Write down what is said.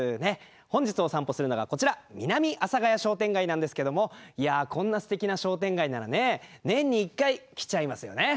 本日お散歩するのがこちら南阿佐ヶ谷商店街なんですけどもいやこんなすてきな商店街ならね年に１回来ちゃいますよね。